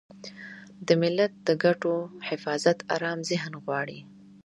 د ملت د ګټو حفاظت ارام ذهن غواړي.